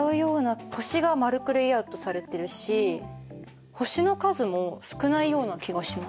星が丸くレイアウトされてるし星の数も少ないような気がします。